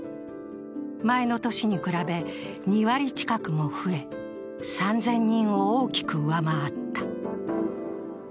前の年に比べ２割近くも増え３０００人を大きく上回った。